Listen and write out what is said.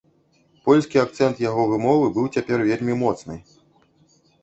Польскі акцэнт яго вымовы быў цяпер вельмі моцны.